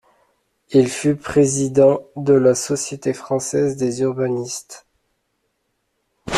Il fut président de la Société française des urbanistes.